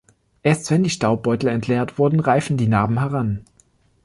Erst wenn die Staubbeutel entleert wurden, reifen die Narben heran.